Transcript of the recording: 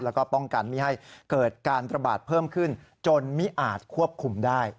แล้วก็ป้องกันไม่ให้เกิดการระบาดเพิ่มขึ้นจนไม่อาจควบคุมได้